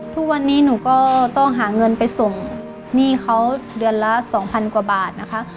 ทุกวันนี้หนูก็ต้องหาเงินไปส่งหนี้เขาเดือนละ๒๐๐กว่าบาทนะคะ